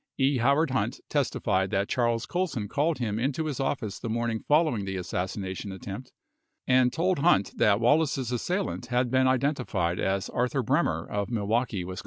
E. Howard Hunt testified that Charles Colson called him into his office the morning following the assassination attempt, and told Hunt that Wallace's assailant had been identified as Arthur Bremer of Milwaukee, Wis.